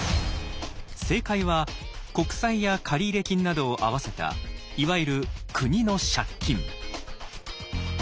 正解は国債や借入金などを合わせたいわゆる国の借金。